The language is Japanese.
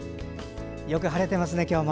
よく晴れてますね、今日も。